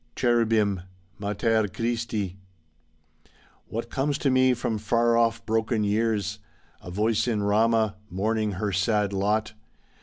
Chervbim: "Mater Christi.'* What comes to me from far off broken years? A voice in Rama, mourning her sad lot